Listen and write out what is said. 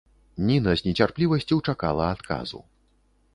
Ніна з нецярплівасцю чакала адказу.